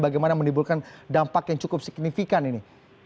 bagaimana menimbulkan dampak yang cukup signifikan ini